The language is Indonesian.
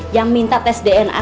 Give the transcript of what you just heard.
yang minta tes dna